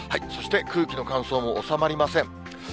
そして空気の乾燥も収まりません。